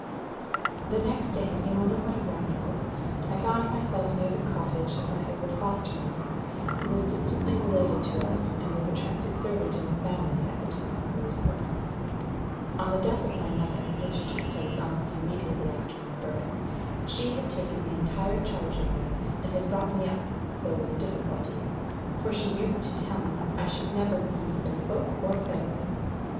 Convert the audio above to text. The next day, in one of my rambles, I found myself near the cottage of my old foster mother, who was distantly related to us, and was a trusted servant in the family at the time I was born. On the death of my mother, which took place almost immediately after my birth, she had taken the entire charge of me, and had brought me up, though with difficulty; for she used to tell me, I should never be either folk or fairy.